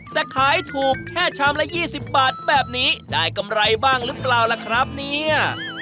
แต่ขายถูกแค่ชามละ๒๐บาทแบบนี้ได้กำไรบ้างหรือเปล่าล่ะครับเนี่ย